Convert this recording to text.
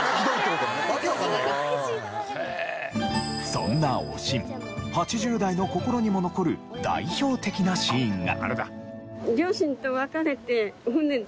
そんな『おしん』８０代の心にも残る代表的なシーンが。